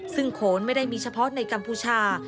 ซึ่งโขนไม่ได้มีเฉพาะในกัมพูชา